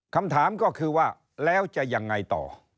คำถามก็คือว่าแล้วจะยังไงต่อ